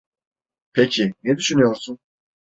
Peki, ne düşünüyorsun?